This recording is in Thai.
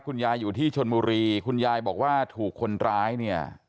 คุณยายอยู่ที่ชนบุรีคุณยายบอกว่าถูกคนร้ายเนี่ย